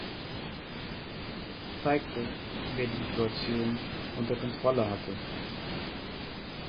Es zeigte, wer die Situation unter Kontrolle hatte.